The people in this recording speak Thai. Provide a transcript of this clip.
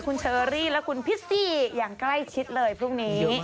คุณเชอรี่และคุณพิซซี่อย่างใกล้ชิดเลยพรุ่งนี้